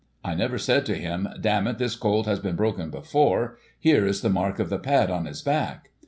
I never said to him, * Damn it, this colt has been broken before ; here is the mark of the pad on his back.'